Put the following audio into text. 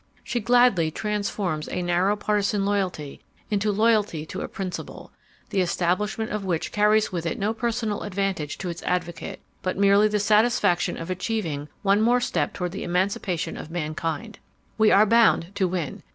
She gladly transforms a narrow partisan loyalty into loyalty to a principle, the establishment of which carries with it no personal advantage to its advocate, but merely the satisfaction of achieving one more step toward the emancipation of mankind .... We are bound to win.